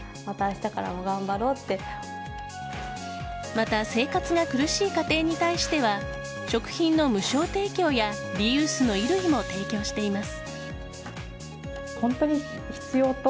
また生活が苦しい家庭に対しては食品の無償提供やリユースの衣類も提供しています。